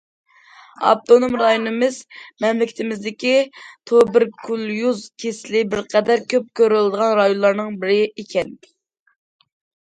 ئاپتونوم رايونىمىز مەملىكىتىمىزدىكى تۇبېركۇليۇز كېسىلى بىر قەدەر كۆپ كۆرۈلىدىغان رايونلارنىڭ بىرى ئىكەن.